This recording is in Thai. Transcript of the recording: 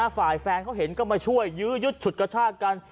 ฝ่ายแฟนเขาเห็นก็มาช่วยยื้อยุดฉุดกระชากัน